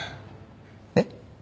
えっ？